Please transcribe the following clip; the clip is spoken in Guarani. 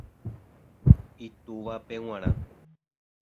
Itúvape g̃uarã